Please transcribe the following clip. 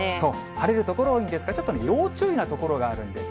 晴れる所、多いんですが、ちょっと要注意な所があるんです。